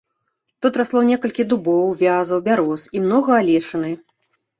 Тут расло некалькі дубоў, вязаў, бяроз і многа алешыны.